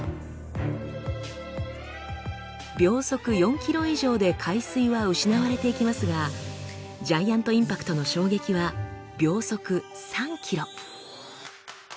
秒速４ｋｍ以上で海水は失われていきますがジャイアント・インパクトの衝撃は秒速３ｋｍ。